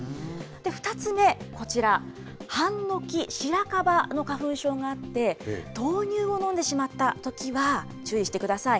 ２つ目、こちら、ハンノキ、シラカバの花粉症があって、豆乳を飲んでしまったときは、注意してください。